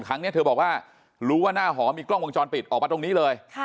ครั้งนี้เธอบอกว่ารู้ว่าหน้าหอมีกล้องวงจรปิดออกมาตรงนี้เลย